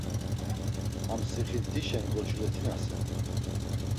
Ham sixint̆işen goçulet̆inasen.